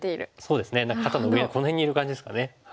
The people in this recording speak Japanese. そうですね何か肩の上この辺にいる感じですかね。